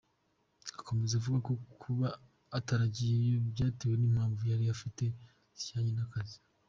Akomeza avuga ko kuba ataragiyeyeo byatewe n’impamvu yari afite zijyanye n’akazi.